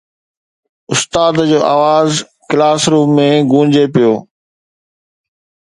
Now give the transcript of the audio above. استاد جو آواز ڪلاس روم ۾ گونجي پيو